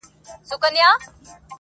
هم په ښار کي هم په کلي کي منلی،